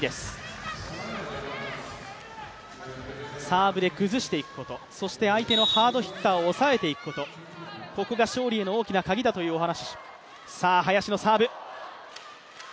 サーブで崩していくこと、そして相手のハードヒッターを抑えていくこと、ここが勝利への大きなカギだというお話。